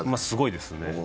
すごいですね。